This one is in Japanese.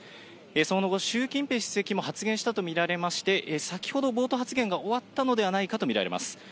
その後、習近平主席も発言したと見られまして、先ほど、冒頭発言が終わったのではないかと見られます。